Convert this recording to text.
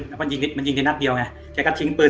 แล้วก็ยิงมันยิงกันนัดเดียวไงแกก็ทิ้งปืน